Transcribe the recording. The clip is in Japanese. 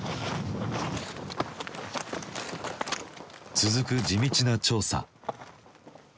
続く地道な調査。